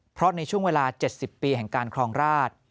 เพราะในช่วงเวลา๗๐ปีแห่งการครองราช